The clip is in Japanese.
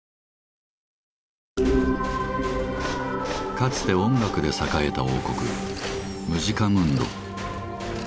かつて音楽で栄えた王国「ムジカムンド」。